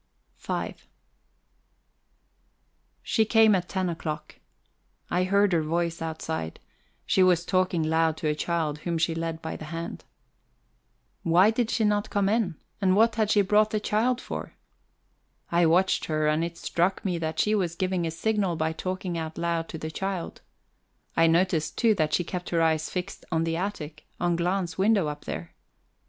V She came at ten o'clock. I heard her voice outside; she was talking loud to a child whom she led by the hand. Why did she not come in, and what had she brought the child for? I watched her, and it struck me that she was giving a signal by talking out loud to the child; I noticed, too, that she kept her eyes fixed on the attic on Glahn's window up there.